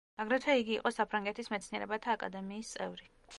აგრეთვე იგი იყო საფრანგეთის მეცნიერებათა აკადემიის წევრი.